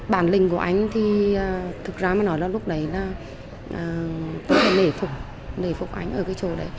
bản lình của anh thì thực ra mà nói là lúc đấy là tôi là nể phục nể phục anh ở cái chỗ đấy